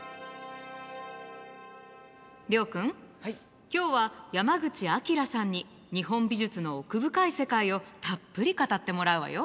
諒君今日は山口晃さんに日本美術の奥深い世界をたっぷり語ってもらうわよ。